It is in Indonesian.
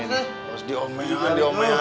harus diomehan diomehan